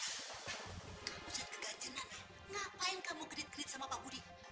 kamu jatuh kegancenan ngapain kamu genit genit sama pak budi